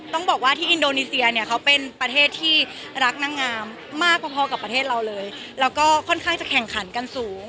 ต้องบอกว่าที่อินโดนีเซียเนี่ยเขาเป็นประเทศที่รักนางงามมากพอกับประเทศเราเลยแล้วก็ค่อนข้างจะแข่งขันกันสูง